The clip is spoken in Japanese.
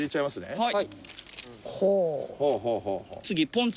はい。